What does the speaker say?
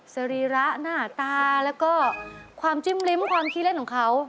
สรีระหน้าตาแล้วก็ความจิ้มลิ้มความขี้เล่นของเขา